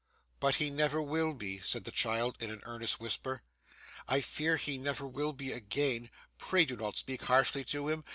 'But he never will be,' said the child in an earnest whisper. 'I fear he never will be again. Pray do not speak harshly to him.